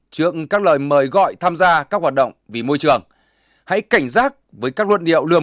trước các lời mời gọi tham gia các hoạt động vì môi trường hãy cảnh giác với các luận điệu